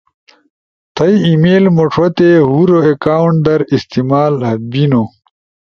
تھئی ای میل مݜو تے ہور اکاونٹ در استعمال بینو